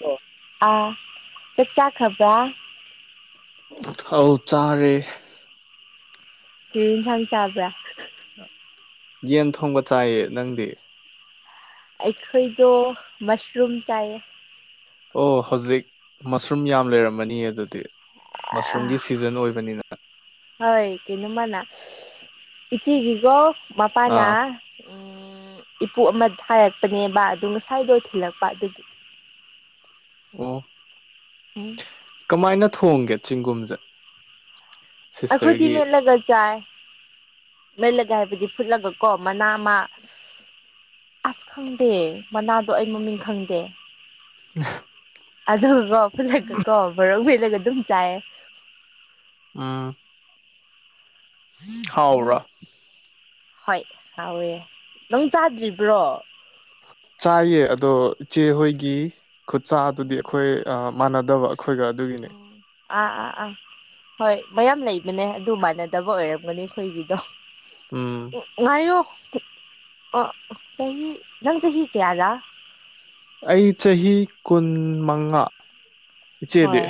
ꯑꯣ ꯑꯥ ꯆꯥꯛ ꯆꯥꯈꯕ꯭ꯔꯥ ꯑꯧ ꯆꯥꯔꯦ ꯀ ꯏꯟꯁꯥꯡ ꯆꯥꯕ꯭ꯔꯥ ꯌꯦꯟ ꯊꯣꯡꯕ ꯆꯥꯏꯌꯦ ꯅꯪꯗꯤ ꯑꯩꯈꯣꯏꯗꯣ ꯃꯁꯔꯨꯝ ꯆꯥꯏꯌꯦ ꯑꯣ ꯍꯧꯖꯤꯛ ꯃꯁꯔꯨꯝ ꯌꯥꯝ ꯂꯩꯔꯝꯃꯅꯤꯌꯦ ꯑꯗꯨꯗꯤ ꯃꯁꯔꯨꯝꯒꯤ ꯁꯤꯖꯟ ꯑꯣꯏꯕꯅꯤꯅ ꯍꯣꯏ ꯀꯩꯅꯣꯃꯅꯥ ꯏꯆꯤꯒꯤꯒꯣ ꯃꯄꯥꯅ ꯑꯥ ꯎꯝ ꯏꯄꯨ ꯑꯃ ꯊꯥꯔꯛꯄꯅꯦꯕ ꯑꯗꯨ ꯉꯁꯥꯏꯗꯣ ꯊꯤꯜꯂꯛꯄ ꯑꯗꯨꯒꯤ ꯑꯣ [unintelligible] ꯀꯃꯥꯏꯅ ꯊꯣꯡꯒꯦ ꯆꯤꯡꯒꯨꯝꯁꯦ ꯑꯩꯈꯣꯏꯗꯤ ꯃꯦꯠꯂꯒ ꯆꯥꯏ ꯃꯦꯠꯂꯒ ꯍꯥꯏꯕꯗꯤ ꯐꯨꯠꯂꯒ ꯀꯣ ꯃꯅꯥ ꯑꯃ ꯑꯁ ꯈꯪꯗꯦ ꯃꯅꯥꯗꯣ ꯑꯩ ꯃꯃꯤꯡ ꯈꯪꯗꯦ [unintelligible] ꯑꯗꯣ ꯒꯀꯣ ꯐꯨꯠꯂ ꯒꯀꯣ ꯃꯣꯔꯣꯛ ꯃꯦꯠꯂꯒ ꯑꯗꯨꯝ ꯆꯥꯏꯌꯦ ꯑꯝ ꯍꯥꯎꯕ꯭ꯔꯥ ꯍꯣꯏ ꯍꯥꯎꯋꯦ ꯅꯪ ꯆꯥꯗ꯭ꯔꯤꯕ꯭ꯔꯣ ꯆꯥꯏꯌꯦ ꯑꯗꯣ ꯏꯆꯦꯍꯣꯏꯒꯤ ꯈꯨꯠꯆꯥ ꯑꯗꯨꯗꯤ ꯎꯝ ꯑꯩꯈꯣꯏ ꯃꯥꯟꯅꯗꯕ ꯑꯩꯈꯣꯏꯒ ꯑꯗꯨꯒꯤꯅꯤ ꯎꯝ ꯑꯥ ꯑꯥ ꯑꯥ ꯍꯣꯏ ꯃꯌꯥꯝ ꯂꯩꯕꯅꯦ ꯑꯗꯨ ꯃꯥꯟꯅꯗꯕ ꯑꯣꯏꯔꯝꯒꯅꯤ ꯑꯩꯈꯣꯏꯒꯤꯗꯣ ꯎꯝ ꯎ ꯉꯣ ꯑ ꯆꯍꯤ ꯅꯪ ꯆꯍꯤ ꯆꯍꯤ ꯀꯌꯥꯖ ꯑꯩ ꯆꯍꯤ ꯀꯨꯟ ꯃꯉꯥ ꯏꯆꯦꯗꯤ ꯍꯣꯏ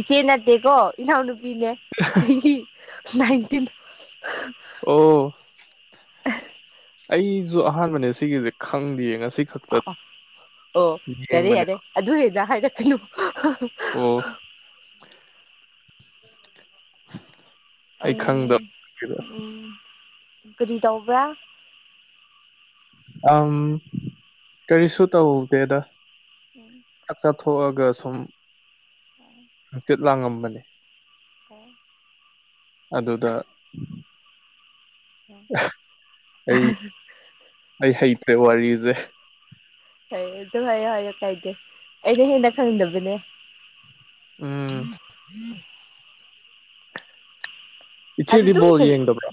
ꯏꯆꯦ ꯅꯠꯇꯦꯀꯣ ꯏꯅꯥꯎꯅꯨꯄꯤꯅꯦ ꯆꯍꯤ ꯅꯥꯏꯟꯇꯤꯟ ꯑꯣ ꯑꯩꯁꯨ ꯑꯍꯥꯟꯕꯅꯦ ꯁꯤꯒꯤꯁꯦ ꯈꯪꯗꯦꯌꯦ ꯉꯁꯤ ꯈꯛꯇ ꯑꯣ ꯑꯣ ꯑꯣ ꯌꯥꯔꯦ ꯌꯦꯡꯕꯅꯦ ꯌꯥꯔꯦ ꯑꯗꯨ [unintelligible] ꯍꯥꯏꯔꯛꯀꯅꯨ ꯑꯣ ꯑꯩ ꯈꯪꯗꯕ [unintelligible] ꯀꯔꯤ ꯇꯧꯕ꯭ꯔꯥ ꯑꯝ ꯀꯔꯤꯁꯨ ꯇꯧꯗꯦꯗ [unintelligible] ꯆꯥꯛ ꯆꯥꯊꯣꯛꯑꯒ ꯁꯨꯝ [unintelligible] ꯍꯪꯆꯤꯠ ꯂꯥꯡꯉꯝꯕꯅꯦ ꯑꯣ ꯑꯗꯨꯗ ꯑꯩ ꯑꯩ ꯍꯩꯇ꯭ꯔꯦ ꯋꯥꯔꯤꯁꯦ ꯐꯩ ꯑꯗꯨ ꯍꯥꯏꯌꯣ ꯍꯥꯏꯌꯣ ꯀꯥꯏꯗꯦ ꯑꯩꯅ ꯍꯦꯟꯅ ꯈꯪꯗꯕꯅꯦ ꯎꯝ ꯏꯆꯦꯗꯤ ꯑꯗꯨꯗ ꯑꯗꯨꯨ ꯕꯣꯜ ꯀ ꯌꯦꯡꯗꯕ꯭ꯔꯣ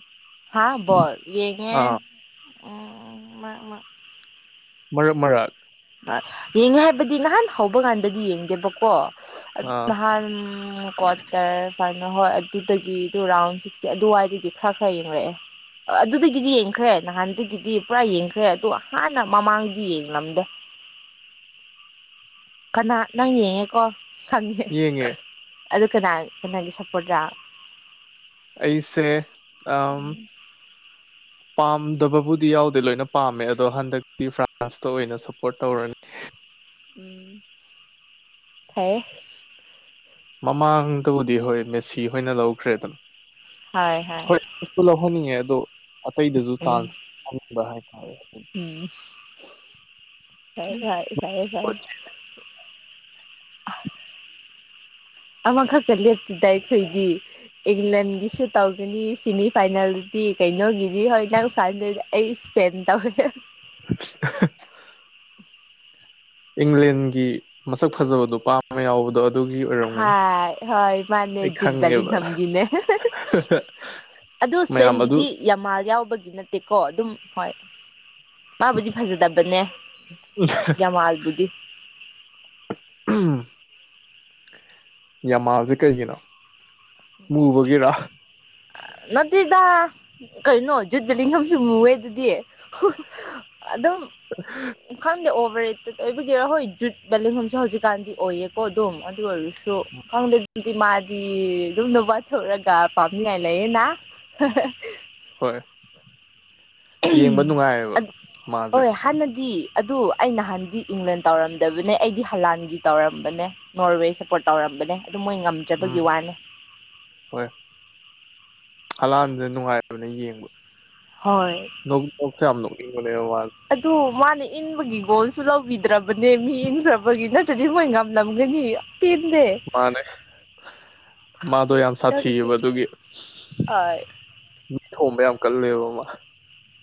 ꯍꯥ ꯕꯣꯜ ꯌꯦꯡꯉꯦ ꯑꯥ ꯎꯝ ꯃ ꯃꯔꯛ ꯃꯔꯛ ꯌꯦꯡꯉꯦ ꯍꯥꯏꯕꯗꯤ ꯅꯍꯥꯟ ꯍꯧꯕ ꯀꯥꯟꯗꯗꯤ ꯌꯦꯡꯗꯦꯕꯀꯣ ꯑꯥ ꯅꯍꯥꯟ ꯀꯣ ꯇꯔ ꯐꯥꯅꯣ ꯍꯣꯏ ꯑꯗꯨꯗꯒꯤꯗꯨ ꯔꯥꯎꯟ ꯁꯤꯛꯁꯇꯤ ꯑꯗꯨꯋꯥꯏꯗꯗꯤ ꯈꯔ ꯈꯔ ꯌꯦꯡꯂꯡꯉꯛꯑꯦ ꯑꯗꯨꯗꯒꯤꯗꯤ ꯌꯦꯡꯈ꯭ꯔꯦ ꯅꯍꯥꯟꯗꯒꯤꯗꯤ ꯄꯨꯔꯥ ꯌꯦꯡꯈ꯭ꯔꯦ ꯑꯗꯣ ꯍꯥꯟꯅ ꯃꯃꯥꯡꯗꯤ ꯌꯦꯡꯂꯝꯗꯦ ꯀꯅꯥ ꯅꯪ ꯌꯦꯡꯉꯦꯀꯣ ꯅꯪ ꯌꯦꯡꯉꯦ ꯑꯗꯨ ꯀꯅꯥ ꯀꯅꯥꯒꯤ ꯁꯞꯄꯣꯔꯠꯂ ꯑꯩꯁꯦ ꯑꯝ ꯎꯝ [inaudible] ꯄꯥꯝꯗꯕꯕꯨꯗꯤ ꯌꯥꯎꯗꯦ ꯂꯣꯏꯅ ꯄꯥꯝꯃꯦ ꯑꯗꯣ ꯍꯟꯗꯛꯇꯤ ꯐ꯭ꯔꯥꯟꯁꯇ ꯑꯣꯏꯅ ꯁꯞꯄꯣꯔꯠ ꯇꯧꯔꯅꯤ ꯐꯩ ꯃꯃꯥꯡꯗꯕꯨꯗꯤ ꯍꯣꯏ ꯃꯦꯁꯤ ꯍꯣꯏꯅ ꯂꯧꯈ꯭ꯔꯦꯗꯅ ꯍꯣꯏ ꯍꯣꯏ ꯂꯧꯍꯟꯅꯤꯡꯉꯦ ꯑꯗꯣ ꯑꯇꯩꯗꯁꯨ ꯎꯝ ꯇꯥꯟꯁ ꯈꯕ ꯍꯥꯏꯇꯥꯔꯦ ꯎꯝ [unintelligible] ꯑꯃꯈꯛꯇ ꯂꯦꯞꯇꯗ ꯑꯩꯈꯣꯏꯒꯤ ꯏꯪꯂꯦꯟꯒꯤꯁꯨ ꯇꯧꯒꯅꯤ ꯁꯦꯃꯤ ꯐꯥꯏꯅꯦꯜꯗꯤ ꯀꯩꯅꯣꯒꯤꯗꯤ ꯍꯣꯏ ꯅꯪ ꯐꯥꯏꯅꯦꯜ ꯑꯩ ꯏꯁꯄꯦꯟ [unintelligible] ꯑꯍ ꯏꯪꯂꯦꯟꯒꯤ ꯃꯁꯛ ꯐꯖꯕ ꯅꯨꯄꯥꯃ ꯌꯥꯎꯕꯗꯣ ꯑꯗꯨꯒꯤ ꯍ ꯑꯣꯏꯔꯝꯒꯅꯤ ꯍꯣꯏ ꯃꯥꯅꯦ ꯑꯩ ꯈꯪꯉꯦꯕ ꯖꯨꯠꯕꯦꯂꯥꯡꯍꯝꯒꯤꯅꯦ ꯑꯗꯨ ꯃꯌꯥꯝ ꯑꯗꯨ ꯏꯁꯄꯦꯟꯒꯤꯗꯤ ꯌꯥꯝꯃꯥꯜ ꯌꯥꯎꯕꯒꯤ ꯅꯠꯇꯦꯀꯣ ꯑꯗꯨꯝ ꯍꯣꯏ ꯃꯥꯕꯨꯗꯤ ꯐꯖꯗꯕꯅꯦ ꯖꯋꯥꯥꯜꯕꯨꯗꯤ ꯎꯝ ꯌꯥꯃꯜꯁꯦ ꯀꯩꯒꯤꯅꯣ ꯃꯨꯕꯒꯤꯔꯥ ꯅꯠꯇꯦꯗꯥ ꯀꯩꯅꯣ ꯖꯨꯠ ꯕꯤꯗꯤꯡꯁꯨ ꯃꯨꯑꯦ ꯑꯗꯨꯗꯤ ꯍꯨ ꯑꯗꯨꯝ ꯈꯪꯗꯦ ꯑꯣꯕꯔ ꯔꯦꯠꯇ ꯑꯣꯏꯕꯒꯤꯔꯣ ꯍꯣꯏ ꯖꯨꯠ ꯕꯦꯂꯦꯟꯂꯣꯝꯁꯨ ꯍꯧꯖꯤꯛꯀꯥꯟꯗꯤ ꯑꯣꯏꯌꯦꯀꯣ ꯑꯗꯨꯝ ꯑꯗꯨ ꯑꯣꯏꯔꯁꯨ ꯈꯪꯗꯦ ꯑꯗꯨꯝꯗꯤ ꯃꯥꯗꯤ ꯑꯗꯨꯝꯅ ꯋꯥꯊꯣꯛꯔꯒꯥ [unintelligible] ꯍꯣꯏ ꯌꯦꯡꯕ ꯅꯨꯡꯉꯥꯏꯌꯦꯕ ꯃꯥꯁꯦ ꯍꯣꯏ ꯍꯥꯟꯅꯗꯤ ꯑꯗꯨ ꯑꯩ ꯅꯍꯥꯟꯗꯤ ꯏꯪꯂꯦꯟ ꯇꯧꯔꯝꯗꯕꯅꯦ ꯑꯩꯗꯤ ꯍꯂꯥꯟꯒꯤ ꯇꯧꯔꯝꯕꯅꯦ꯫ ꯅꯣꯔꯋꯦ ꯁꯞꯄꯣꯔꯠ ꯇꯧꯔꯝꯕꯅꯦ ꯑꯗꯨꯝ ꯃꯣꯏꯉꯝ꯫ ꯎꯝ ꯍꯣꯏ ꯍꯂꯥꯟꯗꯤ ꯅꯨꯡꯉꯥꯏꯕꯅꯦ ꯌꯦꯡꯕ꯫ ꯍꯣꯏ꯫ ꯅꯣꯛ ꯅꯣꯛꯁꯨ ꯌꯥꯝ ꯅꯣꯛꯅꯤꯡꯕꯅꯦ ꯃꯥ꯫ ꯑꯗꯨ ꯃꯥꯅ ꯏꯟꯕꯒꯤ ꯒꯣꯜꯁꯨ ꯂꯧꯕꯤꯗ꯭ꯔꯕꯅꯦ ꯃꯤ ꯏꯟꯈ꯭ꯔꯕꯒꯤ ꯅ꯫ ꯑꯗꯨꯨꯗꯤ ꯃꯣꯏ ꯉꯝꯂꯝꯒꯅꯤ ꯄꯦꯟꯗꯦ꯫ ꯃꯥꯅꯦ ꯃꯥꯗꯣ ꯌꯥꯝ ꯁꯥꯊꯤꯑꯕ ꯑꯗꯨꯒꯤ ꯃꯤ ꯊꯣꯝꯕ ꯌꯥꯝ ꯀꯜꯂꯦꯕ ꯃꯥ꯫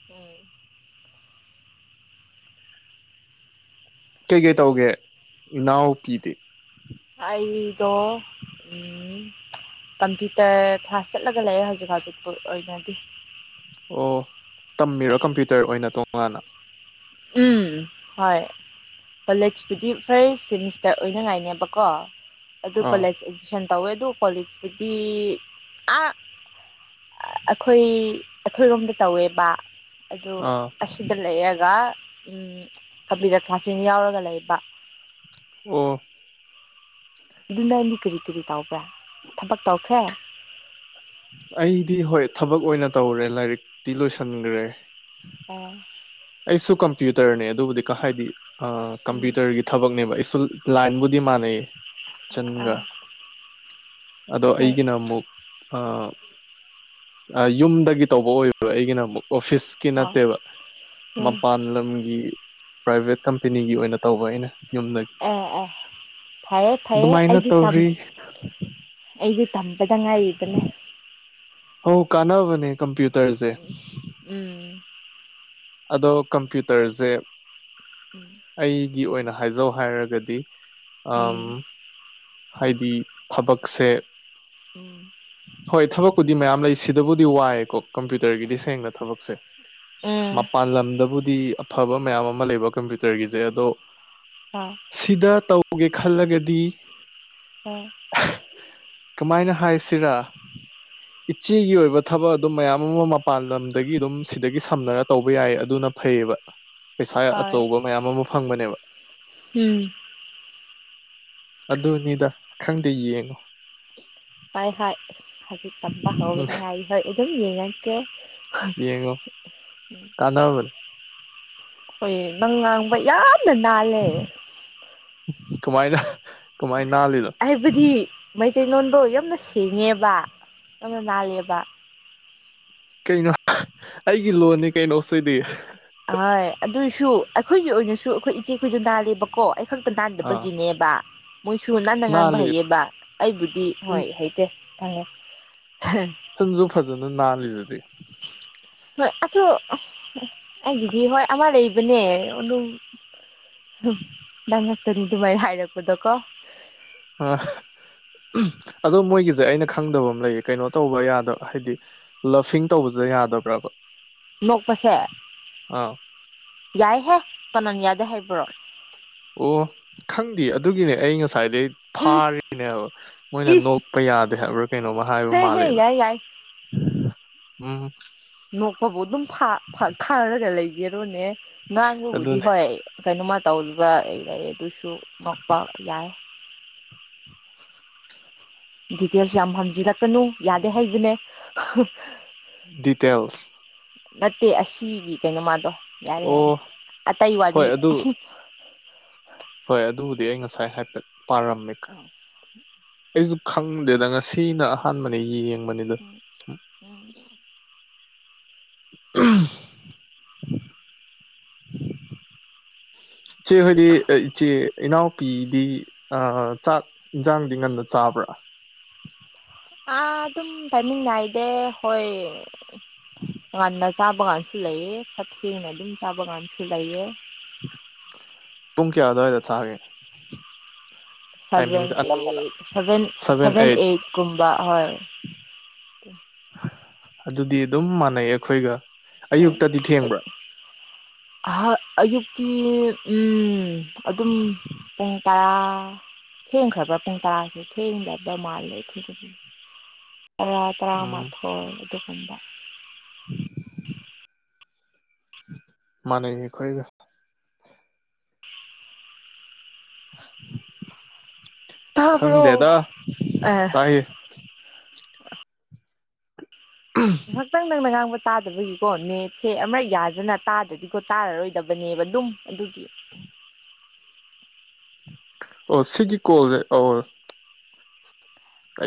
[inaudible] ꯀꯩ ꯀꯩ ꯇꯧꯒꯦ ꯏꯅꯥꯎꯄꯤꯗꯤ ꯑꯩꯗꯣ ꯎꯝ ꯀꯝꯄ꯭ꯌꯨꯇꯔ ꯀ꯭ꯂꯥꯁ ꯆꯠꯂꯒ ꯂꯩꯔꯦ ꯍꯧꯖꯤꯛ-ꯍꯧꯖꯤꯛ ꯄꯨ ꯑꯣꯏꯅꯗꯤ ꯑꯣ ꯇꯝꯃꯤꯔꯣ ꯀꯝꯄ꯭ꯌꯨꯇꯔ ꯑꯣꯏꯅ ꯇꯣꯡꯉꯥꯟꯅ ꯎꯝ ꯍꯣꯏ꯫ ꯀꯣꯂꯦꯖꯄꯨꯗꯤ ꯐꯥꯔꯁ ꯁꯦꯃꯤꯁꯇꯔ ꯑꯣꯏꯅꯉꯥꯏꯅꯦꯕꯀꯣ ꯑꯗꯨ ꯑꯥ ꯀꯣꯂꯦꯖ ꯇꯨꯏꯁꯟ ꯇꯧꯋꯦ ꯑꯗꯨ ꯀꯣꯂꯦꯖꯇꯨꯗꯤ ꯑꯥ꯫ ꯑꯩꯈꯣꯏ ꯑꯩꯈꯣꯏꯔꯣꯝꯗ ꯇꯧꯋꯦꯕ ꯑꯗꯨ ꯑꯥ ꯑꯁꯤꯗ ꯂꯩꯔꯒ ꯎꯝ ꯀꯝꯄ꯭ꯌꯨꯇꯔ ꯀꯥꯆꯤꯡ ꯌꯥꯎꯔꯒ ꯂꯩꯕ꯫ ꯑꯣ ꯑꯗꯨ ꯅꯪꯗꯤ ꯀꯔꯤ-ꯀꯔꯤ ꯇꯧꯕ꯭ꯔꯥ ꯊꯕꯛ ꯇꯧꯈ꯭ꯔꯦ ꯑꯩꯗꯤ ꯍꯣꯏ ꯊꯕꯛ ꯑꯣꯏꯅ ꯇꯧꯔꯦ ꯂꯥꯏꯔꯤꯛꯇꯤ ꯂꯣꯏꯁꯟꯈ꯭ꯔꯦ ꯑꯣ꯫ ꯑꯩꯁꯨ ꯀꯝꯄ꯭ꯌꯨꯇꯔꯅꯦ ꯑꯗꯨꯕꯨꯗꯤ ꯀ ꯍꯥꯏꯗꯤ ꯑ ꯎꯝ ꯀꯝꯄ꯭ꯌꯨꯇꯔꯒꯤ꯫ ꯊꯕꯛꯅꯦꯕ ꯑꯩꯁꯨ ꯂꯥꯏꯟꯕꯨꯗꯤ ꯃꯥꯟꯅꯩꯌꯦ꯫ ꯆꯟꯒ ꯑꯥ ꯑꯗꯣ ꯍꯣꯏ ꯑꯩꯒꯤꯅ ꯑꯃꯨꯛ ꯑꯥ ꯌꯨꯝꯗꯒꯤ ꯇꯧꯕ ꯑꯣꯏꯕ ꯑꯩꯒꯤꯅ ꯑꯃꯨꯛ ꯑꯣꯐꯤꯁꯀꯤ ꯑꯣ ꯅꯠꯇꯦꯕ ꯎꯝ ꯃꯄꯥꯟ ꯂꯝꯒꯤ ꯄ꯭ꯔꯥꯏꯚꯦꯠ ꯀꯝꯄꯦꯅꯤꯒꯤ ꯑꯣꯏꯅ ꯇꯧꯕ ꯑꯩꯅ꯫ ꯌꯨꯝꯗꯒꯤ ꯑꯦ ꯑꯦ ꯐꯩꯌꯦ ꯐꯩꯌꯦ ꯑꯗꯨꯃꯥꯏꯅ ꯑꯩꯗꯤ ꯇꯝ ꯇꯧꯔꯤ ꯑꯩꯗꯤ ꯇꯝꯕꯗ ꯉꯥꯏꯔꯤꯕꯅꯦ ꯑꯣ ꯀꯥꯟꯅꯕꯅꯦ ꯀꯝꯄ꯭ꯌꯨꯇꯔꯁꯦ꯫ ꯎꯝ ꯑꯗꯣ ꯀꯝꯄ꯭ꯌꯨꯇꯔꯁꯦ꯫ [unintelligible] ꯑꯩꯒꯤ ꯑꯣꯏꯅ ꯍꯥꯏꯖꯧ ꯍꯥꯏꯔꯒꯗꯤ ꯑꯝ ꯍꯥꯏꯗꯤ ꯊꯕꯛꯁꯦ ꯎꯝ ꯍꯣꯏ ꯊꯕꯛꯄꯨꯗꯤ ꯃꯌꯥꯝ ꯂꯩ ꯁꯤꯗꯕꯨꯗꯤ ꯋꯥꯏꯑꯦꯀꯣ ꯀꯝꯄ꯭ꯌꯨꯇꯔꯒꯤꯗꯤ ꯁꯦꯡꯅ ꯊꯕꯛꯁꯦ ꯎꯝ ꯃꯄꯥꯟ ꯂꯝꯗꯕꯨꯗꯤ꯫ ꯐꯕ ꯃꯌꯥꯝ ꯑꯃ ꯂꯩꯕ ꯀꯝꯄ꯭ꯌꯨꯇꯔꯒꯤꯁꯦ ꯑꯗꯣ꯫ [unintelligible] ꯁꯤꯗ ꯇꯧꯒꯦ ꯈꯜꯂꯒꯗꯤ꯫ ꯑꯣ꯫ ꯀꯃꯥꯏꯅ ꯍꯥꯏꯁꯤꯔꯥ꯫ ꯏꯆꯦꯒꯤ ꯑꯣꯏꯕ ꯊꯕꯛ ꯑꯗꯨꯝ ꯃꯌꯥꯝ ꯑꯃ ꯃꯄꯥꯟ ꯂꯝꯗꯒꯤ ꯑꯗꯨꯝ ꯁꯤꯗꯒꯤ ꯁꯝꯅꯔ꯫ ꯇꯧꯕ ꯌꯥꯏ ꯑꯗꯨꯅ ꯐꯩꯌꯦꯕ꯫ ꯄꯩꯁꯥ ꯍꯣꯏ ꯑꯆꯧꯕ ꯃꯌꯥꯝ ꯑꯃ ꯐꯪꯕꯅꯦꯕ꯫ ꯎꯝ ꯑꯗꯨꯅꯤꯗ ꯈꯪꯗꯦ ꯌꯦꯡꯉꯣ ꯍꯣꯏ ꯍꯣꯏ ꯍꯧꯖꯤꯛ ꯇꯝꯕ ꯎꯝ ꯍꯧꯗꯅ ꯑꯩ ꯍꯣꯏ ꯑꯗꯨꯝ ꯌꯦꯡꯉꯛꯀꯦ ꯌꯦꯡꯉꯣ ꯀꯥꯟꯅꯕꯅꯦ ꯑꯈꯣꯏ ꯅꯪ ꯉꯥꯡꯕ ꯌꯥꯝꯅ ꯅꯥꯜꯂꯦ꯫ ꯀꯃꯥꯏꯅ ꯀꯃꯥꯏ ꯅꯥꯜꯂꯤꯅꯣ ꯍꯥꯏꯕꯗꯤ ꯃꯩꯇꯩꯂꯣꯟꯗꯣ ꯌꯥꯝꯅ ꯁꯦꯡꯉꯦꯕ ꯌꯥꯝꯅ ꯂꯜꯂꯦꯕ ꯀꯩꯅꯣ ꯑꯩꯒꯤ ꯂꯣꯟꯅꯤ ꯀꯩꯅꯣꯁꯤꯗꯤ ꯍꯣꯏ ꯑꯗꯨꯏꯁꯨ ꯑꯩꯈꯣꯏꯒꯤ ꯑꯣꯏꯅꯁꯨ ꯑꯩꯈꯣꯏ ꯏꯆꯦꯈꯣꯏꯁꯨ ꯅꯥꯜꯂꯦꯕꯀꯣ ꯈꯛꯇ ꯑꯥ ꯅꯥꯟꯗꯕꯒꯤꯅꯦꯕ ꯃꯣꯏꯁꯨ ꯅꯥꯟꯅ ꯉꯥꯡꯕ ꯅꯥꯜꯂꯤ ꯍꯩꯌꯦꯕ ꯑꯩꯕꯨꯗꯤ ꯍꯣꯏ ꯍꯩꯇꯦ ꯈꯪꯉꯦ ꯁꯪꯁꯨ ꯐꯖꯅ ꯅꯥꯜꯂꯤꯗꯨꯗꯤ ꯍꯣꯏ ꯑꯗꯣ ꯑꯩꯒꯤꯗꯤ ꯍꯣꯏ ꯑꯃ ꯂꯩꯕꯅꯦ ꯑꯗꯨꯝ [unintelligible] ꯅꯪ ꯉꯥꯛꯇꯅꯤ ꯑꯗꯨꯃꯥꯏꯅ ꯍꯥꯏꯔꯛꯄꯗꯨꯀꯣ꯫ ꯑ ꯑꯗꯣ ꯃꯣꯏꯒꯤꯁꯦ ꯑꯩꯅ ꯈꯪꯗꯕ ꯑꯃ ꯂꯩ ꯀꯩꯅꯣ ꯇꯧꯕ ꯌꯥꯗꯕ ꯍꯥꯏꯗꯤ ꯂꯞꯐꯤꯡ ꯇꯧꯕꯁꯦ ꯌꯥꯗꯕ꯭ꯔꯕ꯫ ꯅꯣꯛꯄꯁꯦ ꯑꯥ ꯌꯥꯏꯍꯦ ꯀꯅꯥꯅ ꯌꯥꯗꯦ ꯍꯥꯏꯕ꯭ꯔꯣ ꯑꯣ ꯈꯪꯗꯦ ꯑꯗꯨꯒꯤꯅꯦ ꯑꯩ ꯉꯁꯥꯏꯗꯩꯩ ꯎꯝ ꯐꯥꯔꯤꯅꯦꯕ ꯃꯣꯏꯅ ꯏꯁ ꯅꯣꯛꯄ ꯌꯥꯗꯦ ꯍꯥꯏꯕ꯭ꯔꯥ ꯀꯩꯅꯣꯝꯃ ꯍꯥꯏꯕ ꯍꯦ ꯍꯦ ꯃꯥꯂꯦꯅ꯫ ꯌꯥꯏ ꯌꯥꯏ ꯎꯝ꯫ ꯅꯣꯛꯄꯕꯨ ꯑꯗꯨꯝ ꯐꯥ ꯐꯥ ꯈꯥꯔꯒ ꯂꯩꯒꯦꯔꯣꯅꯦ ꯉꯥꯡꯕꯕꯨꯗꯤ ꯑꯗꯨꯅꯦ ꯍꯣꯏ꯫ ꯀꯩꯅꯣꯝꯃ ꯇꯧꯔꯤꯕ ꯑꯩ ꯂꯩ ꯑꯗꯨꯁꯨ ꯉꯣꯛꯄ ꯌꯥꯏ ꯗꯤꯇꯦꯜꯁ ꯌꯥꯝ ꯍꯝꯖꯤꯜꯂꯛꯀꯅꯨ ꯌꯥꯗꯦ ꯍꯥꯏꯕꯅꯦ꯫ ꯗꯤꯇꯦꯜꯁ ꯅꯠꯇꯦ ꯑꯁꯤꯒꯤ ꯀꯩꯅꯣꯃꯥꯗꯣ ꯌꯥꯔꯦ ꯌꯥꯔꯦ ꯑꯣ ꯑꯇꯩ ꯋꯥꯔꯤ꯫ ꯍꯣꯏ ꯑꯗꯨ ꯍꯣꯏ ꯑꯗꯨꯕꯨꯗꯤ ꯑꯩ ꯉꯁꯥꯏ ꯍꯥꯏꯐꯦꯠ ꯄꯥꯔꯝꯃꯦ ꯑ ꯑꯩꯁꯨ ꯈꯪꯗꯦꯗ ꯉꯁꯤꯅ ꯑꯍꯥꯟꯕꯅꯦ ꯌꯦꯡꯕꯅꯦ꯫ ꯎꯝ [unintelligible] ꯏꯆꯦ ꯍꯣꯏꯗꯤ ꯑ ꯏꯆꯦ ꯏꯩꯅꯥꯎ꯫ ꯄꯤꯗꯤ ꯑ ꯆꯥꯛ ꯏꯟꯖꯥꯡꯗꯤ ꯉꯟꯅ ꯆꯥꯕ꯭ꯔꯥ꯫ ꯑꯥ ꯑꯗꯨꯝ ꯇꯥꯏꯃꯤꯡ ꯅꯥꯏꯗꯦ ꯍꯣꯏ꯫ ꯉꯗ ꯆꯥꯕ ꯀꯥꯟꯁꯨ ꯂꯩꯑ ꯈꯊꯦꯡꯅ ꯑꯗꯨꯝ ꯆꯥꯕ ꯀꯥꯟꯁꯨ ꯂꯩꯑ ꯄꯨꯡ ꯀꯌꯥ ꯑꯗꯋꯥꯏꯗ ꯆꯥꯒꯦ꯫ ꯁꯚꯦꯟ ꯇꯥꯏꯃꯤꯡꯁꯦ ꯑꯅꯝꯕꯅ ꯑꯦꯠ ꯁꯚꯦꯟ ꯁꯚꯦꯟ ꯑꯩꯠꯀꯨꯝꯕ ꯍꯣꯏ꯫ ꯑꯗꯨꯗꯤ ꯑꯗꯨꯝ ꯃꯥꯟꯅꯩ ꯑꯩꯈꯣꯏꯒ ꯑꯌꯨꯛꯇꯗꯤ ꯊꯦꯡꯕ꯭ꯔꯥ [unintelligible] ꯑꯍ ꯑꯌꯨꯛꯀꯤ ꯎꯝ꯫ ꯑꯗꯨꯝ ꯄ ꯨꯡ ꯇꯔꯥ ꯊꯦꯡꯈ꯭ꯔꯕ꯭ꯔ ꯄꯨꯡ ꯇꯔꯥꯁꯦ ꯊꯦꯡꯗꯕ ꯃꯥꯜꯂꯦ ꯑꯩꯈꯣꯏꯗꯥꯗꯤ ꯇꯔꯥ ꯎꯝ ꯇꯔꯥꯃꯥꯊꯣꯏ ꯑꯗꯨꯒꯨꯝꯕ꯫ [inaudible] ꯃꯥꯅꯦꯈꯣꯏꯒ ꯇꯥꯕ꯭ꯔꯣ ꯈꯪꯗꯦꯗ ꯑꯦ ꯇꯥꯏꯌꯦꯦ ꯎꯝ꯫ ꯉꯥꯏꯍꯥꯛꯇꯪ ꯅꯪꯅ ꯉꯥꯡꯕ ꯇꯥꯗꯕꯒꯤꯀꯣ ꯅꯦꯠꯁꯦ ꯑꯃꯔꯛ ꯌꯥꯗꯅ ꯇꯥꯗ꯭ꯔꯗꯤꯀꯣ ꯇꯥꯔꯔꯣꯏꯗꯕꯅꯦꯕ ꯑꯗꯨꯝ ꯑꯗꯨꯒꯤ꯫ ꯑꯣ ꯁꯤꯒꯤ ꯀꯣꯜꯁꯦ ꯑꯧ꯫ ꯀ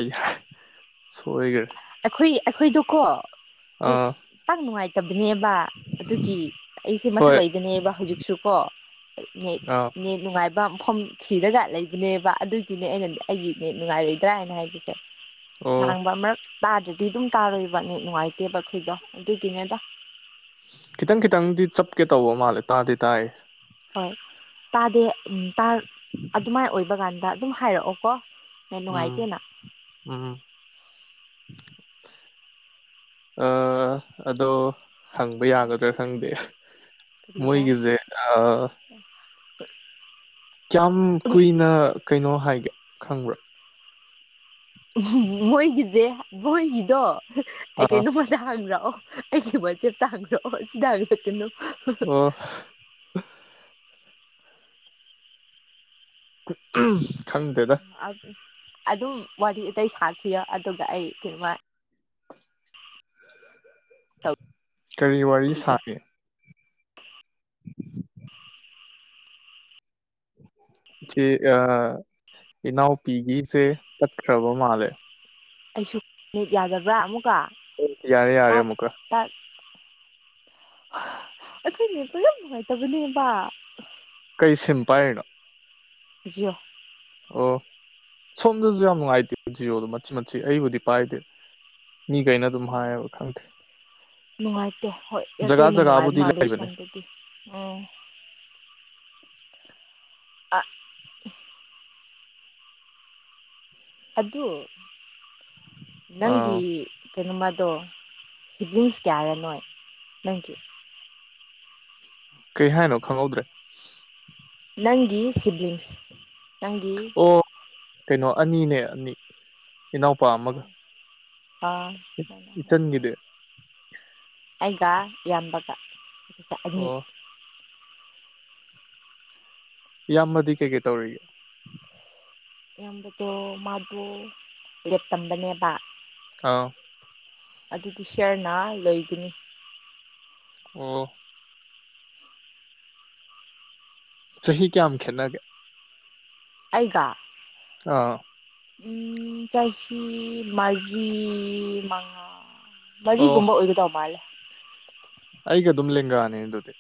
ꯁꯣꯏꯒꯔꯦ ꯑꯩꯈꯣꯏ-ꯑꯩꯈꯣꯏꯗꯀꯣ ꯑꯥ ꯇꯪ ꯅꯨꯡꯉꯥꯏꯇꯕꯅꯦꯕ ꯑꯗꯨꯒꯤ ꯑꯩꯁꯦ ꯃꯊꯛ ꯍꯣꯏ ꯂꯩꯕꯅꯦꯕ ꯍꯧꯖꯤꯛꯁꯨꯀꯣ ꯅꯦꯠ ꯑꯥ ꯅꯦꯠ ꯅꯨꯡꯉꯥꯏ꯫ ꯏ ꯃꯐꯝ ꯊꯤꯔꯒ ꯂꯩꯕꯅꯦꯕ ꯑꯗꯨꯒꯤꯅꯦ ꯑꯩꯅ ꯑꯩꯒꯤ ꯅꯦꯠ ꯅꯨꯡꯉꯥꯏꯔꯤꯕꯔꯥ ꯍꯥꯏꯅ ꯍꯥꯏꯕꯁꯦ ꯑꯣ ꯉꯥꯡꯕ ꯑꯃꯔꯛ ꯇꯥꯗ꯭ꯔꯗꯤ ꯑꯗꯨꯝ ꯇꯥꯔꯣꯏꯕ ꯅꯨꯡꯉꯥꯏꯇꯦꯕ ꯑꯩꯈꯣꯏꯗꯣ ꯑꯗꯨꯒꯤꯅꯦꯗ꯫ ꯈꯤꯇꯪ ꯈꯤꯇꯪꯗꯤ ꯆꯞꯀꯦ ꯇꯧꯕ ꯃꯥꯜꯂꯦ ꯇꯥꯗꯦ ꯇꯥꯏ ꯍꯣꯏ ꯇꯥꯗꯦ ꯑꯗꯨꯃꯥꯏꯅ ꯑꯣꯏꯕꯀꯥꯟꯗ ꯑꯗꯨꯝ ꯍꯥꯏꯔꯛꯑꯣ ꯀꯣ ꯎꯝ ꯎꯝ ꯑ ꯑꯗꯣ ꯍꯪꯕ ꯌꯥꯒꯗ꯭ꯔꯥ ꯈꯪꯗꯦ ꯀꯔꯤꯔ ꯃꯣꯏꯒꯤꯁꯦ ꯑ [unintelligible] ꯀꯌꯥꯝ ꯀꯨꯏꯅ ꯀꯩꯅꯣ ꯍꯥꯏꯒꯦ ꯈꯪꯕ꯭ꯔꯥ ꯃꯣꯏꯒꯤꯁꯦ ꯃꯣꯏꯒꯤꯗꯣ ꯑꯩ ꯑꯥ ꯀꯩꯅꯣ ꯇꯥꯡꯈ꯭ꯔꯛꯑꯣ ꯑꯩꯒꯤ ꯃꯁꯦ ꯇꯥꯡꯈ꯭ꯔꯑꯣ ꯁꯤꯗꯥꯡꯈ꯭ꯔꯗꯅꯣ ꯑꯣ ꯈꯪꯗꯦꯗ ꯑꯣ ꯑꯗꯨ ꯑꯗꯨꯝ ꯋꯥꯔꯤ ꯑ ꯁꯥꯈꯤꯌꯣ ꯑꯗꯨꯒ ꯑꯩ ꯀꯩꯅꯉ ꯀꯔꯤ ꯋꯥꯔꯤ ꯇꯧꯕꯤꯒꯦ ꯁꯥꯒꯦ [unintelligible] ꯁꯤ ꯏꯅꯥꯎꯄꯤꯒꯤꯁꯦ ꯆꯠꯈ꯭ꯔꯕ ꯃꯥꯜꯂꯦ ꯑꯩꯁꯨ ꯃꯤꯠ ꯌꯥꯗꯕ꯭ꯔꯥ ꯑꯃꯨꯛꯀ ꯌꯥꯔꯦ ꯌꯥꯔꯦ ꯑꯃꯨꯛꯀ ꯑꯩꯈꯣꯏꯅꯦꯁꯨ ꯌꯥꯝ ꯅꯨꯡꯉꯥꯏꯇꯕꯅꯦꯕ ꯀꯩ ꯁꯤꯝꯄꯥꯥꯏꯅꯣ ꯖꯤꯌꯣ ꯑꯣ ꯁꯣꯝꯗꯁꯨ ꯌꯥꯝ ꯅꯨꯡꯉꯥꯏꯇꯦ ꯖꯤꯑꯣꯗꯣ ꯃꯆꯤ ꯃꯠꯆꯤ ꯑꯩꯕꯨꯗꯤ ꯄꯥꯏꯗꯦ ꯃꯤ ꯀꯩꯩꯅ ꯇꯨꯝ ꯎꯝ ꯈꯪ ꯅꯨꯡꯉꯥꯏꯇꯦ ꯍꯣꯏ ꯖꯒꯥ ꯏꯌꯥꯔꯇꯦꯜꯅ ꯅꯨꯡꯉꯥꯏꯕ ꯖꯒꯥꯕꯨꯗꯤ ꯃꯥꯜꯂꯦ ꯂꯩꯕꯅꯦ ꯁꯣꯝꯗꯗꯤ ꯎꯝ ꯑꯥ ꯑꯗꯨ ꯑ ꯅꯪꯒꯤ ꯀꯩꯅꯣ ꯃꯗꯣ ꯁꯤꯕ꯭ꯂꯤꯡꯁ ꯀꯌꯥꯔ ꯅꯣꯏ ꯅꯪꯒꯤ ꯀꯩ ꯍꯥꯏꯅꯣ ꯈꯪꯍꯧꯗ꯭ꯔꯦ ꯅꯪꯒꯤ ꯁꯤꯕꯂꯤꯡꯁ ꯑꯣ ꯀꯩꯅꯣ ꯑꯅꯤꯅꯦ ꯑꯅꯤ ꯏꯅꯥꯎꯄꯥ ꯑ ꯑꯃꯒ ꯏꯆꯟꯒꯤꯗꯤ ꯑꯩꯒ ꯏꯟꯕꯒ ꯇꯛꯑꯅꯤ ꯑꯣ ꯏꯌꯥꯝꯕꯗꯤ ꯀꯩ ꯀꯩ ꯇꯧꯔꯤꯦ ꯑꯌꯥꯝꯕꯗꯣ ꯃꯥꯗ ꯂꯦꯞꯇꯝꯕꯅꯦꯕ ꯑꯥꯎ ꯑꯗꯨꯗꯤ ꯁꯔꯅꯥ ꯂꯣꯏꯒꯅꯤ ꯑꯣ ꯆꯍꯤ ꯀꯌꯥꯌꯥꯝꯃ ꯈꯦꯠꯅꯔꯒꯦ ꯑꯩꯒ ꯑꯥ ꯎ ꯆꯥꯁꯤ ꯃꯥꯖꯤ ꯃꯉꯥ ꯑꯣ ꯃꯔꯤꯒꯨꯝꯕ ꯑꯣꯏꯔꯗꯧ ꯃꯥꯜꯦ ꯑꯩꯒ ꯑꯗꯨꯗꯨꯝꯂꯤꯡ ꯑꯅꯤ ꯏꯗꯤꯦ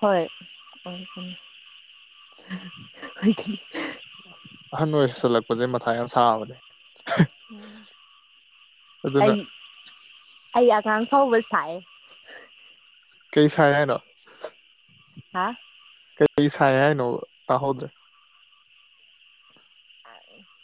ꯍꯣꯌ ꯑꯍꯟ ꯑꯣꯏ ꯍꯁꯜꯂꯛꯄꯁꯦ ꯃꯊꯥ ꯌꯥꯝ ꯁꯥꯕꯅꯦ ꯎ ꯑꯗꯨꯅ ꯑꯩ ꯑꯩ ꯑꯉꯥꯡ ꯐꯥꯎꯕ ꯁꯥꯏꯑꯦ ꯀꯩ ꯁꯔ ꯍꯥꯏꯅꯣ ꯍꯥ ꯀꯩꯁꯅꯣ ꯇꯥ ꯍꯣꯗ꯭ꯔꯦ [inaudible]